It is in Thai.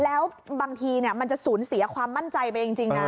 แล้วบางทีมันจะสูญเสียความมั่นใจไปจริงนะ